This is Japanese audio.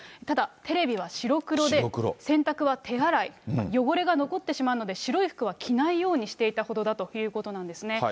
ただ、テレビは白黒で洗濯は手洗い、汚れが残ってしまうので、白い服は着ないようにしていたほどだということなんですね。